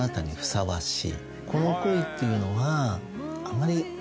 この恋っていうのは。